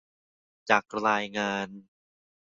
จากรายงาน